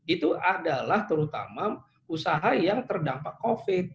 itu adalah terutama usaha yang terdampak covid